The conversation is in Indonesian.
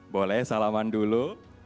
boleh salaman dulu